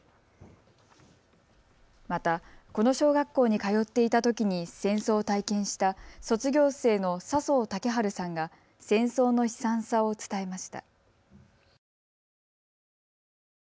また、この小学校に通っていたときに戦争を体験した卒業生の笹生竹治さんが戦争の悲惨さを伝えました。